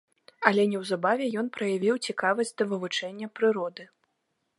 Але неўзабаве ён праявіў цікавасць да вывучэння прыроды.